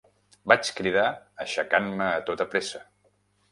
Vaig cridar, aixecant-me a tota pressa.